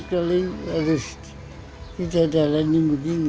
kalau harus kita jalani begini